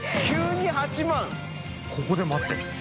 ここで待ってるの？